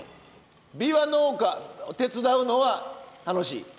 びわ農家手伝うのは楽しい？